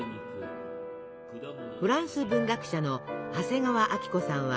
フランス文学者の長谷川晶子さんはこう考えます。